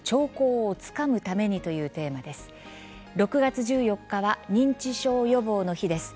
６月１４日は認知症予防の日です。